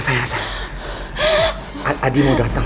sekarang bedanyazzadleska il foundation